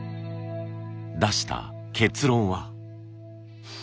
出した結論は。